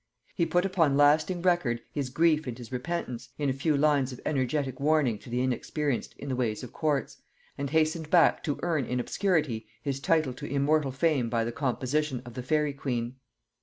He put upon lasting record his grief and his repentance, in a few lines of energetic warning to the inexperienced in the ways of courts, and hastened back to earn in obscurity his title to immortal fame by the composition of the Faery Queen.